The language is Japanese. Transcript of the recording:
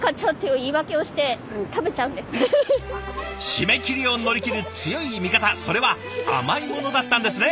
締め切りを乗り切る強い味方それは甘いものだったんですね。